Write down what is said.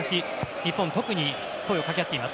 日本、特に声を掛け合っています。